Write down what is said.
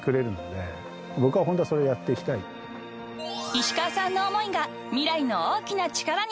［石川さんの思いが未来の大きな力に］